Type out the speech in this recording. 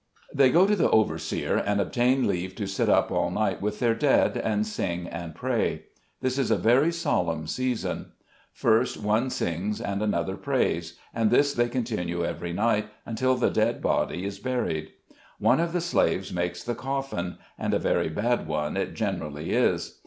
HEY go to the overseer, and obtain leave to sit up all night with their dead, and sing and pray. This is a very solemn season. First, one sings and another prays, and this they continue every night until the dead body is buried. One of the slaves makes the coffin — and a very bad one it generally is.